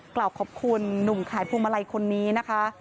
กล่าวขอบคุณหนุ่มขายพวงมาลัยคนนี้นะคะ